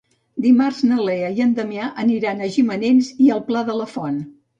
Dimarts na Lea i en Damià aniran a Gimenells i el Pla de la Font.